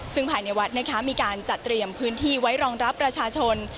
ซึ่งภายในวัดนะคะมีการจัดเตรียมพื้นที่ไว้รองรับประชาชน